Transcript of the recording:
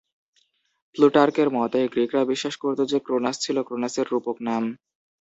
প্লুটার্কের মতে, গ্রিকরা বিশ্বাস করত যে ক্রোনাস ছিল ক্রোনোসের রূপক নাম।